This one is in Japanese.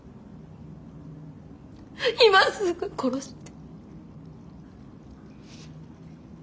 今すぐ殺して。